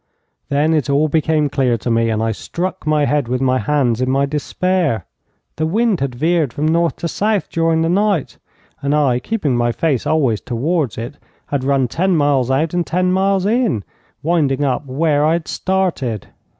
Then it all became clear to me, and I struck my head with my hands in my despair. The wind had veered from north to south during the night, and I, keeping my face always towards it, had run ten miles out and ten miles in, winding up where I had started.